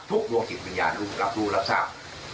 ทุกดวงจิตวิญญาณรับรู้รับทราบ